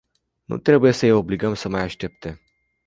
Nu trebuie să îi obligăm să mai aștepte.